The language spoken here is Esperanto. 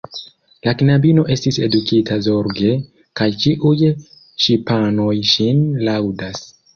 La knabino estis edukita zorge, kaj ĉiuj ŝipanoj ŝin laŭdas.